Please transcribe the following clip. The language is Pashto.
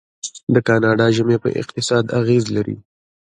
د کاناډا ژمی په اقتصاد اغیز لري.